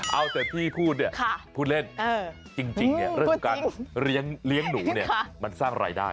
เอาแต่ที่พูดเนี่ยพูดเล่นจริงเนี่ยเรื่องของการเลี้ยงหนูเนี่ยมันสร้างรายได้